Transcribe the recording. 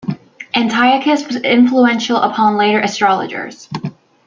Antiochus was influential upon later astrologers.